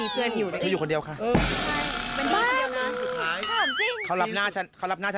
ก็อยู่คนเดียวค่ะ